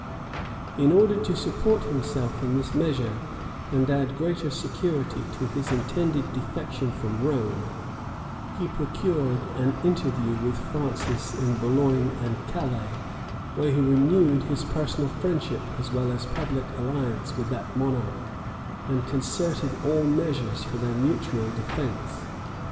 In order to support himself in this measure, and add greater security to his intended defection from Rome, he procured an interview with Francis it Boulogne and Calais, where he renewed his personal friendship as well as public alliance with that monarch, and concerted all measures for their mutual defence.